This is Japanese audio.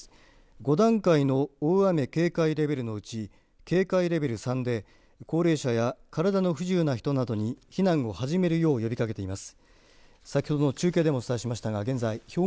５段階の大雨警戒レベルのうち警戒レベル３で高齢者や体の不自由な人などに避難を始めるよう呼びかけています。